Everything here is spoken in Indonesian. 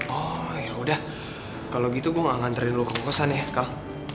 oh yaudah kalo gitu gue gak nganterin lo ke kosan ya kal